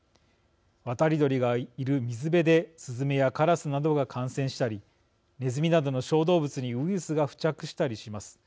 渡り鳥がいる水辺ですずめやからすなどが感染したりねずみなどの小動物にウイルスが付着したりします。